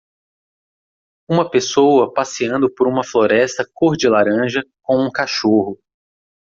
Uma pessoa passeando por uma floresta cor de laranja com um cachorro.